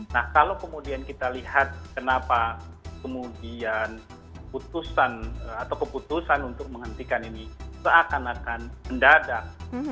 nah kalau kemudian kita lihat kenapa kemudian putusan atau keputusan untuk menghentikan ini seakan akan mendadak